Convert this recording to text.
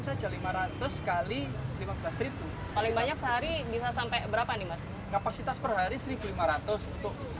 saja lima ratus kali lima belas paling banyak sehari bisa sampai berapa nih mas kapasitas perhari seribu lima ratus untuk